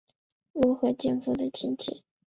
落合建夫的亲戚。